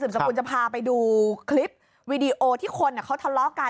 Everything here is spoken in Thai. สกุลจะพาไปดูคลิปวีดีโอที่คนเขาทะเลาะกัน